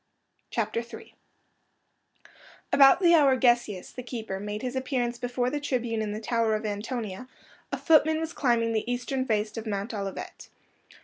CHAPTER III About the hour Gesius, the keeper, made his appearance before the tribune in the Tower of Antonia, a footman was climbing the eastern face of Mount Olivet.